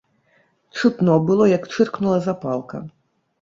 Чутно было, як чыркнула запалка.